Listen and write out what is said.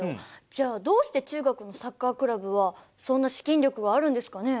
じゃあどうして中国のサッカークラブはそんな資金力があるんですかね？